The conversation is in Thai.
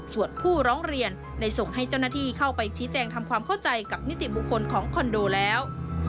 ส่วนผู้ร้องเรียนได้ส่งให้เจ้าหน้าที่เข้าไปชี้แจงทำความเข้าใจกับนิติบุคคลของคอนโดแล้ว